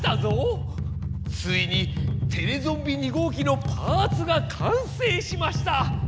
ついにテレゾンビ二号機のパーツがかんせいしました！